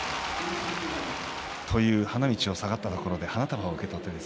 花道を下がったところで花束を受け取って。